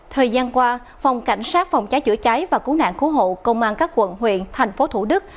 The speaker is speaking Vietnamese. thời gian qua phòng cảnh sát phòng trái chữa trái và cứu nạn cứu hộ công an các quận huyện tp thủ đức